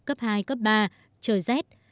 cấp hai cấp ba trời rét